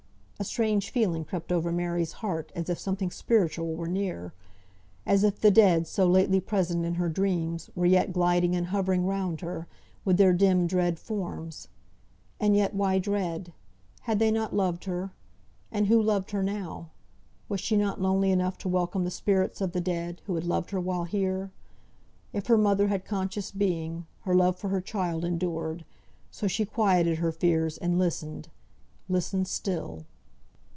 A strange feeling crept over Mary's heart, as if something spiritual were near; as if the dead, so lately present in her dreams, were yet gliding and hovering round her, with their dim, dread forms. And yet, why dread? Had they not loved her? and who loved her now? Was she not lonely enough to welcome the spirits of the dead, who had loved her while here? If her mother had conscious being, her love for her child endured. So she quieted her fears, and listened listened still.